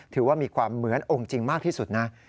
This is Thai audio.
ถือว่ามีความเหมือนองค์จริงมากที่สุดนะ